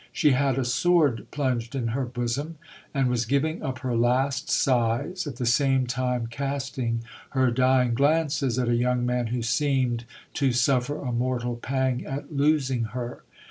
She had a sword plunged in her bosom, and was giving up her last sighs, at the same time casting her dying glances at a young man who seemed to suffer a mortal pang at losing her.